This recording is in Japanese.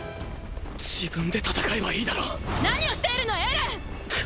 自分で戦えばいいだろ何をしているのエレン！